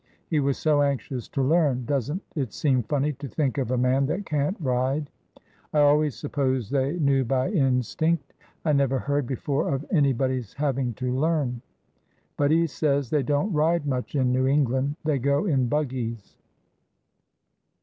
He was so anxious to learn ! Does n't it seem funny to think of a man that can't ride ? I always supposed they knew by instinct. I never heard before of anybody's having to learn. But he says they don't ride much in New England, — they go in buggies.